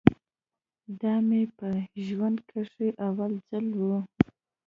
دا مې په ژوند کښې اول ځل و.